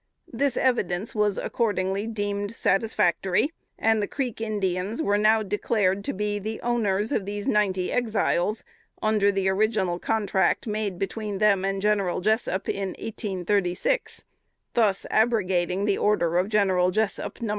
This evidence was, accordingly, deemed satisfactory; and the Creek Indians were now declared to be the owners of these ninety Exiles, under the original contract made between them and General Jessup, in 1836: thus abrogating the order of General Jessup, No.